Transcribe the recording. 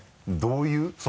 どういう？